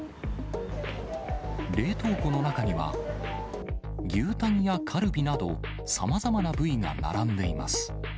冷凍庫の中には、牛タンやカルビなど、さまざまな部位が並んでいます。